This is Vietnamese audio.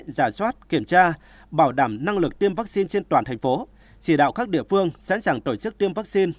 giả soát kiểm tra bảo đảm năng lực tiêm vaccine trên toàn thành phố chỉ đạo các địa phương sẵn sàng tổ chức tiêm vaccine